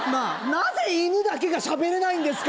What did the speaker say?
なぜ犬だけが喋れないんですか